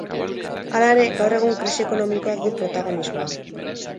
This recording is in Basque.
Hala ere, gaur egun krisi ekonomikoak du protagonismoa.